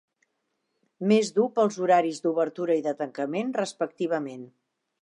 Més dur pels horaris d'obertura i de tancament, respectivament.